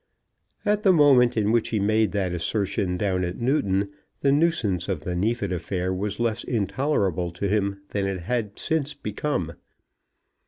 At the moment in which he made that assertion down at Newton, the nuisance of the Neefit affair was less intolerable to him than it had since become.